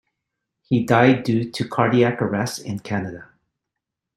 He died due to cardiac arrest in Canada.